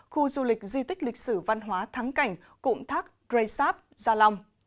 khu du lịch di tích lịch sử văn hóa thắng cảnh cụm thác preysap gia long